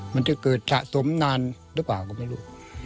มันจะเกิดสะสมนานหรือเปล่าก็ไม่รู้